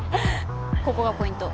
ここがポイント。